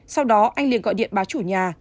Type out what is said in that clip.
sau đó anh liên gọi điện báo chủ nhà